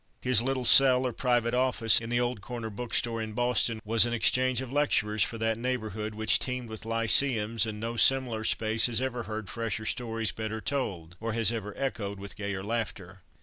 His little cell or private office in the old corner book store in Boston was an exchange of lecturers for that neighborhood, which teemed with lyceums, and no similar space has ever heard fresher stories better told, or has ever echoed with gayer laughter.